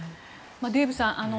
デーブさん